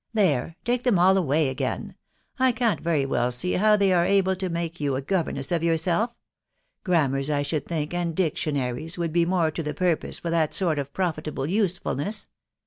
.•. There !•.•. take them all away again ; I can't very well see how they are to help you make a governess of yourself: grammars, I should think) and dictionaries, would be more to the purpose for that sort of profitable use fulness."